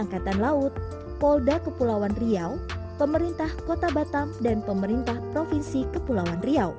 angkatan laut polda kepulauan riau pemerintah kota batam dan pemerintah provinsi kepulauan riau